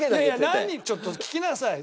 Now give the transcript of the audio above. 何ちょっと聞きなさい。